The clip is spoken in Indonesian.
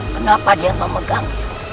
kenapa dia memegang